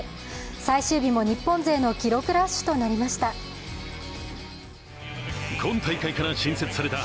最終日も日本勢の記録ラッシュとなりました。